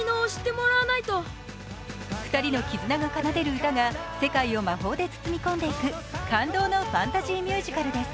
２人の絆が奏でる歌が世界を魔法で包み込んでいく感動のファンタジーミュージカルです。